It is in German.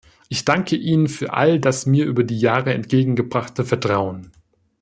Ich danke Ihnen für all das mir über die Jahre entgegengebrachte Vertrauen.